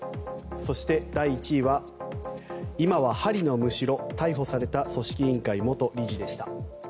そして第１位は、今は針のむしろ逮捕された組織委員会元理事でした。